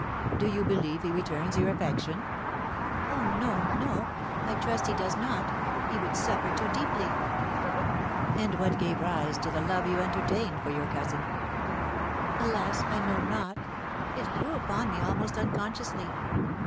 "Do you believe he returns your affection?" "Oh, no, no! I trust he does not! He would suffer too deeply." "And what gave rise to the love you entertained for your cousin?" "Alas, I know not! It grew upon me almost unconsciously.